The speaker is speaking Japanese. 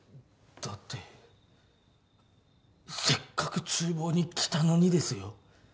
だってせっかく厨房に来たのにですよ